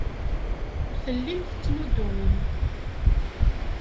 Ur tellim tettnuddumem.